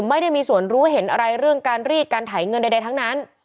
ไม่ได้มีส่วนรู้เห็นอะไรเรื่องการรีดการถ่ายเงินใดทั้งนั้น